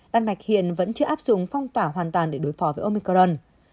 đan mạch hiện vẫn chưa áp dụng phong tỏa hoàn toàn để đối phó với omicron